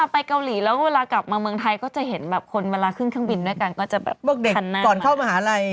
พวกเด็กก่อนเข้ามหาลัย